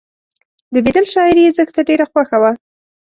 د بیدل شاعري یې زښته ډېره خوښه وه